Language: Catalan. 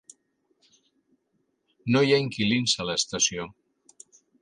No hi ha inquilins a l'estació.